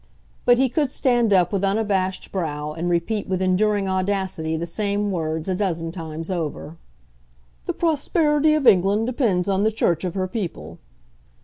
But he could stand up with unabashed brow and repeat with enduring audacity the same words a dozen times over "The prosperity of England depends on the Church of her people."